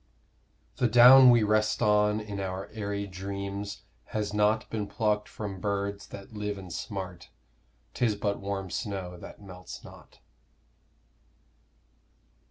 The down we rest on in our aëry dreams Has not been plucked from birds that live and smart; 'Tis but warm snow, that melts not.